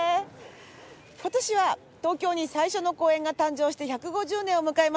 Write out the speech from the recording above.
今年は東京に最初の公園が誕生して１５０年を迎えます。